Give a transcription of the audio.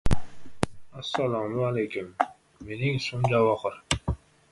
Это такое всепоглощающее, такое эгоистическое чувство, что я почти стыжусь его